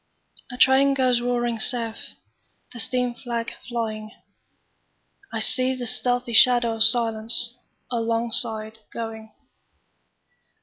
A train goes roaring south, The steam flag flying;I see the stealthy shadow of silenceAlongside going.